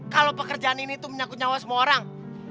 kalau pekerjaan ini tuh menyakut nyawa semua orang